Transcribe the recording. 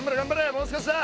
もう少しだ。